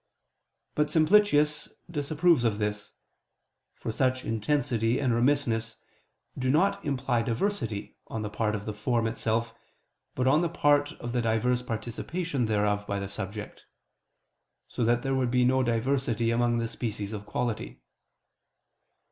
But Simplicius disapproves of this, for such intensity and remissness do not imply diversity on the part of the form itself, but on the part of the diverse participation thereof by the subject; so that there would be no diversity among the species of quality.